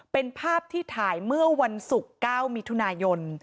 เป็นภาพที่ถ่ายเมื่อวันศุกร์๙มิถุนายน